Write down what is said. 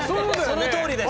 そのとおりです。